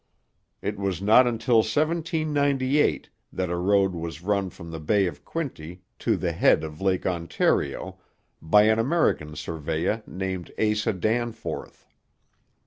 It was not until 1798 that a road was run from the Bay of Quinte to the head of Lake Ontario, by an American surveyor named Asa Danforth.